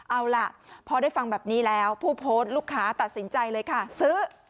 เอาล่ะพอได้ฟังแบบนี้แล้วผู้โพสต์ลูกค้าตัดสินใจเลยค่ะซื้อ